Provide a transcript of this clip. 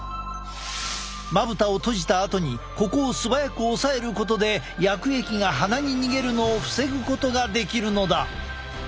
まぶたを閉じたあとにここをすばやく押さえることで薬液が鼻に逃げるのを防ぐことができるのだ！